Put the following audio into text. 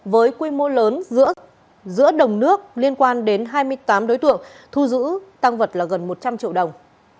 với quy mô lớn giữa đồng nước liên quan đến hai mươi tám đối tượng thu giữ tăng vật là gần một trăm linh triệu đồng